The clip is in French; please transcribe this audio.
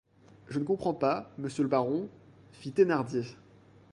Je ne comprends pas, monsieur le baron, fît Thénardier.